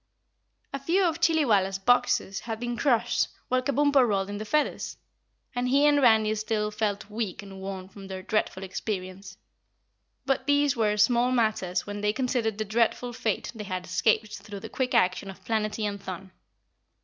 A few of Chillywalla's boxes had been crushed while Kabumpo rolled in the feathers, and he and Randy still felt weak and worn from their dreadful experience, but these were small matters when they considered the dreadful fate they had escaped through the quick action of Planetty and Thun.